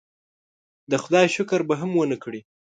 د خدای شکر به هم ونه کړي.